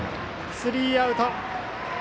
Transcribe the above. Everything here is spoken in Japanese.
スリーアウト。